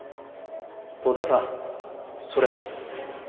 遠田さんそれ。